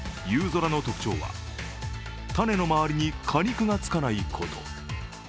ぞらの特徴は種の周りに果肉がつかないこと。